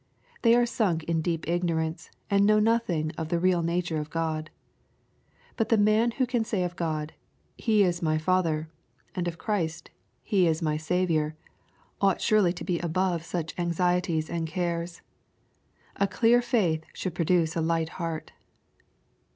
They are sunk in deep ignorance, and know nothing of the real nature of God. But the man who can say of God, " He is my Father," and of Christ, " He is my Saviour," ought surely to be above such anxieties and cares. A clear faith should produce a light heart.